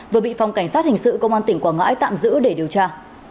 vừa bị phòng cảnh sát hình sự công an tỉnh quảng ngãi tạm giữ để điều tra